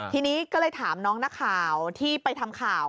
ทีนี้ก็เลยถามน้องนักข่าวที่ไปทำข่าว